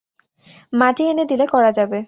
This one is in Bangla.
মাটি এনে দিলে করা যাবে।